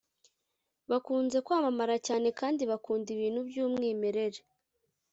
bakunze kwamamara cyane kandi bakunda ibintu by’umwimerere